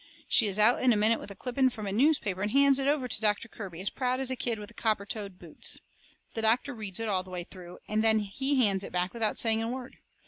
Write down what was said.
She is out in a minute with a clipping from a newspaper and hands it over to Doctor Kirby, as proud as a kid with copper toed boots. The doctor reads it all the way through, and then he hands it back without saying a word.